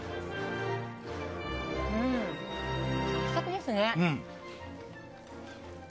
サクサクですね。